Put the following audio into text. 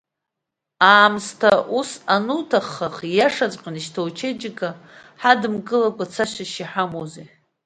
Аамсҭа ус ануҭаххах, ииашаҵәҟьаны, шьҭа учеиџьыка ҳадымкылакәа цашьас иҳамоузеи!